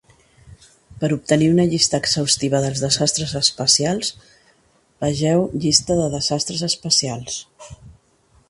Per obtenir una llista exhaustiva dels desastres espacials, vegeu Llista de desastres espacials.